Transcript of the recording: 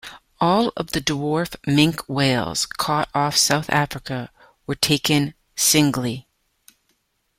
All of the dwarf minke whales caught off South Africa were taken singly.